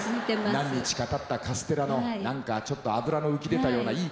何日かたったカステラの何かちょっと油の浮き出たようないい感じが。